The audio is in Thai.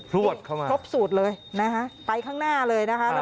วดเข้ามาครบสูตรเลยนะฮะไปข้างหน้าเลยนะคะ